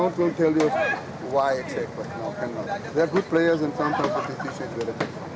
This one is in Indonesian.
mungkin mereka berpikir tidak terlalu berpikir